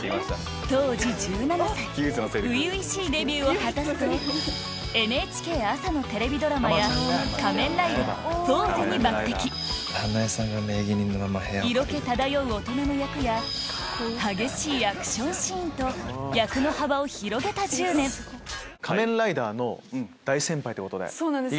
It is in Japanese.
当時１７歳初々しいデビューを果たすとＮＨＫ朝のテレビドラマや『仮面ライダーフォーゼ』に抜擢色気漂う大人の役や激しいアクションシーンと役の幅を広げた１０年そうなんです